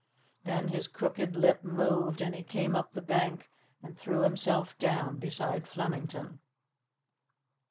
Then his crooked lip moved, and he came up the bank and threw himself down beside Flemington.